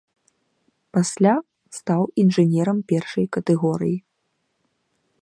Пасля стаў інжынерам першай катэгорыі.